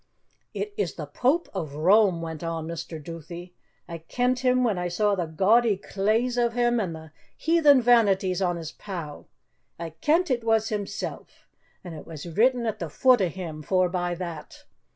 "It is the Pope of Rome," went on Mr. Duthie; "I kent him when I saw the gaudy claes o' him and the heathen vanities on his pow. I kent it was himsel'! And it was written at the foot o' him, forbye that.